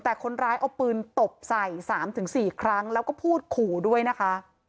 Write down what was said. แต่คนร้ายเอาปืนตบใส่๓๔ครั้งแล้วก็พูดขู่ด้วยนะคะ